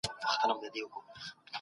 بدن ژر اړتیا پوره کوي.